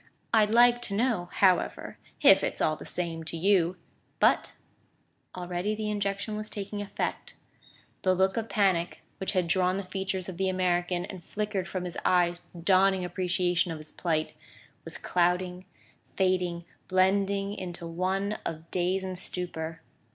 I'd like to know, however if it's all the same to you " But already the injection was taking effect; the look of panic, which had drawn the features of the American and flickered from his eyes with dawning appreciation of his plight, was clouding, fading, blending into one of daze and stupour.